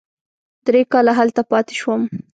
درې کاله هلته پاتې شوم.